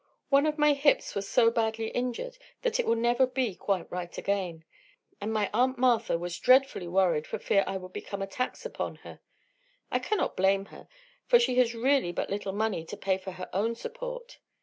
One of my hips was so badly injured that it will never be quite right again, and my Aunt Martha was dreadfully worried for fear I would become a tax upon her. I cannot blame her, for she has really but little money to pay for her own support.